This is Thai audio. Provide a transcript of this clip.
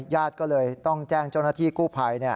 ญาติก็เลยต้องแจ้งเจ้าหน้าที่กู้ภัย